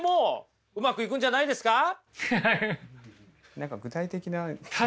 何か具体的な。